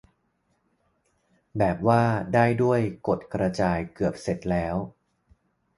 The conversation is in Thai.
แบบว่า ได้ด้วย กด กระจาย เกือบเสร็จแล้ว